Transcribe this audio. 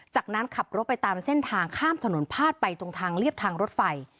จากนั้นขับรถไปตามเส้นทางข้ามถนนพาดไปตรงทางเรียบทางรถไฟ